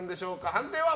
判定は。